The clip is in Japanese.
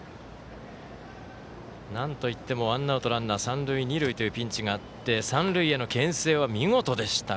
なんといってもワンアウトランナー、三塁二塁というピンチがあって三塁へのけん制は見事でした。